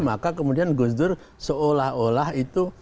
maka kemudian gus dur seolah olah itu